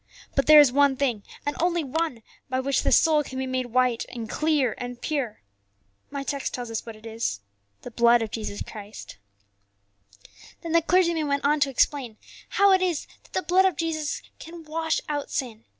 But there is one thing, and only one, by which the soul can be made white and clear and pure. My text tells us what it is, 'The blood of Jesus Christ.'" Then the clergyman went on to explain how it is that the blood of Jesus can wash out sin.